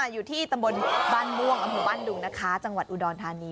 อยู่ที่ตำบลบ้านม่วงอำเภอบ้านดุงนะคะจังหวัดอุดรธานี